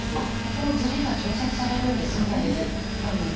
ここのずれが調節されるんですね。